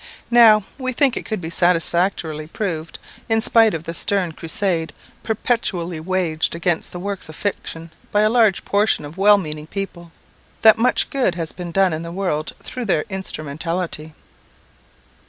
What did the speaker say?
Now, we think it could be satisfactorily proved, in spite of the stern crusade perpetually waged against works of fiction by a large portion of well meaning people, that much good has been done in the world through their instrumentality.